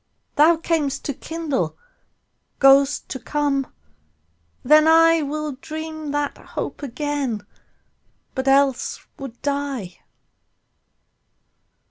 Thou cam'st to kindle, goest to come: then IWill dream that hope again, but else would die.